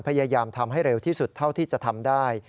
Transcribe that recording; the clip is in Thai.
พยายามทำให้เร็วที่สุดเท่าที่จะทำได้